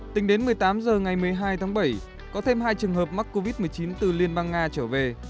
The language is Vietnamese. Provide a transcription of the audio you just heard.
tính đến một mươi tám h ngày một mươi hai tháng bảy có thêm hai trường hợp mắc covid một mươi chín từ liên bang nga trở về